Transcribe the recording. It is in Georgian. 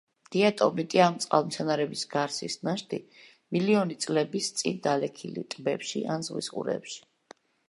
დიატომიტი, ამ წყალმცენარეების გარსის ნაშთი, მილიონი წლების წინ დალექილი ტბებში ან ზღვის ყურეებში.